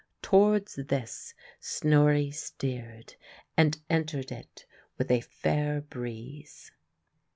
Towards this Snorri steered, and entered it with a fair breeze.